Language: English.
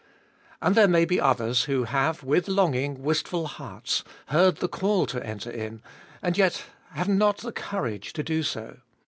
And there may be others, who have with longing, wistful hearts, heard the call to enter in, and yet have not the courage to do so.